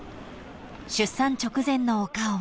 ［出産直前のお顔は］